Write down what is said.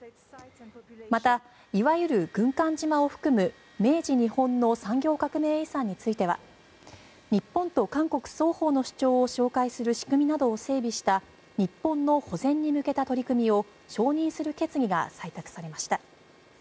また、いわゆる軍艦島を含む明治日本の産業革命遺産については日本と韓国双方の主張を紹介する仕組みなどを整備した日本の保全に向けた取り組みを承認する決議が採択されました。